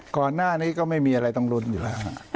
ก่อนหน้านี้ก็ไม่มีอะไรต้องลุ้นอยู่แล้ว